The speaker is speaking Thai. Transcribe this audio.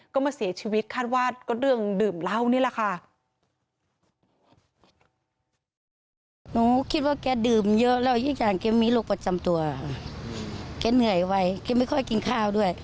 ก็มาเสียชีวิตคาดว่าก็เรื่องดื่มเหล้านี่แหละค่ะ